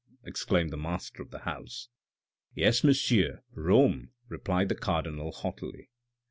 " exclaimed the master of the house. " Yes, monsieur, Rome," replied the Cardinal haughtily.